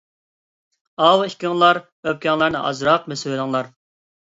ئاۋۇ ئىككىڭلار ئۆپكەڭلارنى ئازراق بېسىۋېلىڭلار.